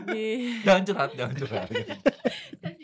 jangan curhat jangan curhat ya